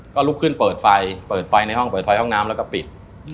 ก็ลุกขึ้นเปิดไฟเปิดไฟในห้องเปิดไฟห้องน้ำแล้วก็ปิด